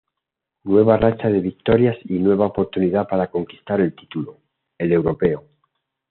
Nueva racha de victorias y nueva oportunidad para conquistar un título, el europeo.